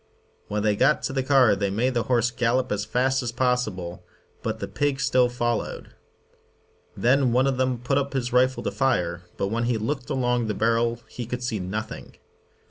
When they got to the car they made the horse gallop as fast as possible, but the pig still followed. Then one of them put up his rifle to fire, but when he looked along the barrel he could see nothing.